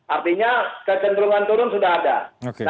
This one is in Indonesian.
artinya kecenderungan turun sudah ada